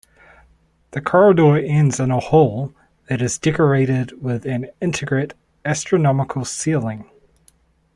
The corridor ends in a hall that is decorated with an intricate astronomical ceiling.